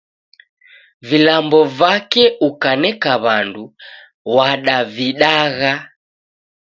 Vilambo vake ukaneka W'andu wadavidagha.